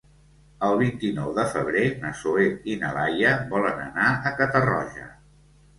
El vint-i-nou de febrer na Zoè i na Laia volen anar a Catarroja.